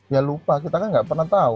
ya lupa kita kan nggak pernah tahu